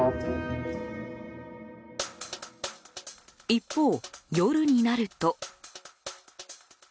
一方、夜になると。